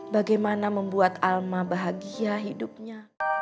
bagaimana membuat alma bahagia hidupnya